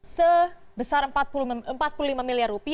sebesar rp empat puluh lima miliar